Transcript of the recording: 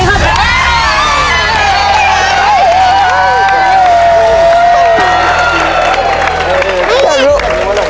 ยังเหลือเวลาทำไส้กรอกล่วงได้เยอะเลยลูก